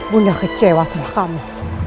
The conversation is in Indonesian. bu aku kecewasan dengan kamu